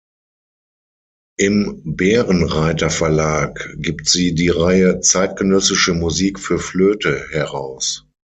Im Bärenreiter-Verlag gibt sie die Reihe "Zeitgenössische Musik für Flöte" heraus.